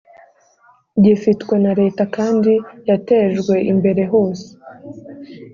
gifitwe na Leta kandi yatejwe imbere hose